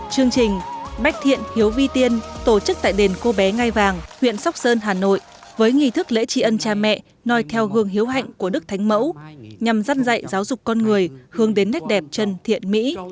chương trình bách thiện hiếu vi tiên tổ chức tại đền cô bé ngay vàng huyện sóc sơn hà nội với nghị thức lễ chi ân cha mẹ nòi theo hương hiếu hạnh của đức thánh mẫu nhằm dắt dạy giáo dục con người hướng đến nét đẹp trân thiện mỹ